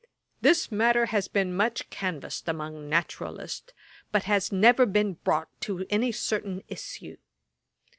This matter has been much canvassed among naturalists, but has never been brought to any certain issue.'